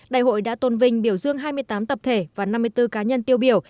đại hội đã tôn vinh biểu dương hai mươi tám tập thể và năm mươi bốn cá nhân tiêu biểu